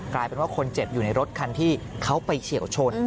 กลายเป็นว่าคนเจ็บอยู่ในรถคันที่เขาไปเฉียวชน